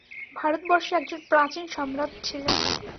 ভারতবর্ষে একজন প্রাচীন সম্রাট ছিলেন।